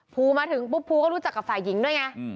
ภูมาถึงปุ๊บภูก็รู้จักกับฝ่ายหญิงด้วยไง